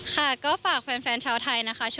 ค่ะก็ฝากแฟนชาวไทยนะคะ